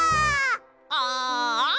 ああ！